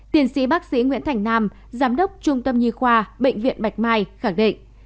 tiến sĩ bác sĩ nguyễn thành nam giám đốc trung tâm nhi khoa bệnh viện bạch mai khẳng định